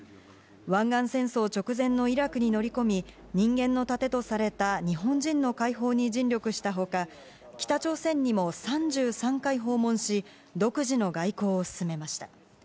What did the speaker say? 湾岸戦争直前のイラクに乗り込み、人間の盾とされた日本人の解放に尽力したほか、北朝鮮にも３３回訪問し、独自の外交を進めました。